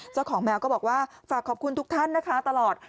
เจ้าของแมวก็บอกว่าฝากขอบคุณทุกท่านนะคะตลอด